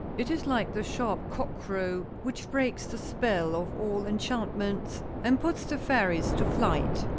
It is like the sharp cock crow which breaks the spell of all enchantments, and puts the fairies to flight.